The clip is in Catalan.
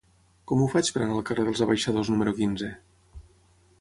Com ho faig per anar al carrer dels Abaixadors número quinze?